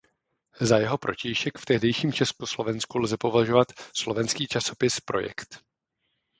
Za jeho protějšek v tehdejším Československu lze považovat slovenský časopis Projekt.